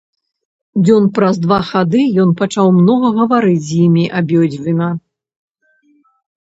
Дзён праз два хады ён пачаў многа гаварыць з імі абедзвюма.